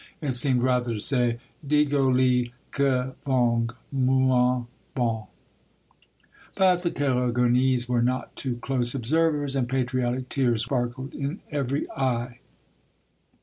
" it seemed rather to say :" Digo li que vengue, moun bon !"^ But the Tarasconese were not too close observers, and patriotic tears sparkled in every eye.